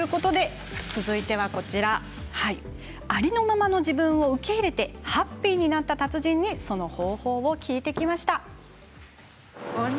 続いてはありのままの自分を受け入れてハッピーになった達人にその方法を聞いてきました。